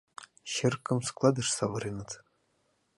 Черкым складыш савыреныт.